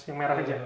yang merah aja